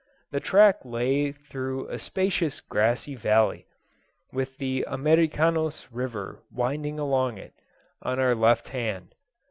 The track lay through a spacious grassy valley, with the Americanos River winding along it, on our left hand.